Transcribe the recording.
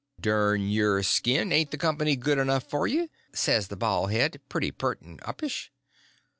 "Dern your skin, ain't the company good enough for you?" says the baldhead, pretty pert and uppish.